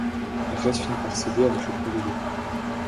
La glace finit par céder avec le poids de l'eau.